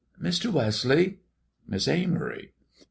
"Mr. Wesley" "Miss Amory?"